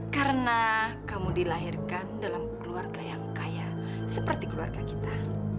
karena kamu dilahirkan dalam keluarga yang kaya seperti keluarga kita